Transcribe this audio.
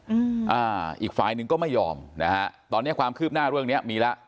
อืมอ่าอีกฝ่ายหนึ่งก็ไม่ยอมนะฮะตอนเนี้ยความคืบหน้าเรื่องเนี้ยมีแล้ว